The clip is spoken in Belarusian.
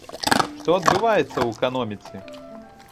Што адбываецца ў эканоміцы?